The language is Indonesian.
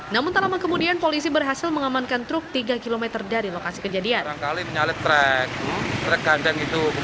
namun tak lama kemudian polisi berhasil mengamankan truk tiga km dari lokasi kejadian